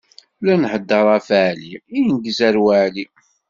La nheddeṛ ɣef Ɛli ineggez ar Waɛli.